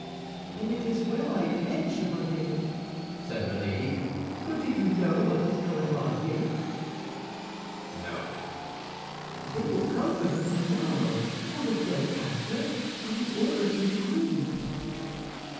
"And it is well I can, Chevalier," said Milady, "for do you know what is going on here?" "No." "They will come for her tomorrow or the day after, with an order from the queen."